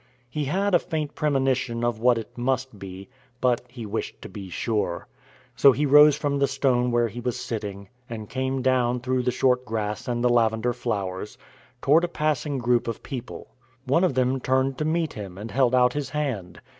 He had a faint premonition of what it must be, but he wished to be sure. So he rose from the stone where he was sitting, and came down through the short grass and the lavender flowers, toward a passing group of people. One of them turned to meet him, and held out his hand.